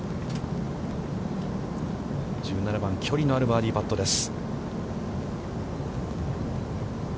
１７番の距離のあるバーディーパットです。